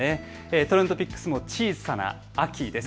ＴｒｅｎｄＰｉｃｋｓも小さな秋です。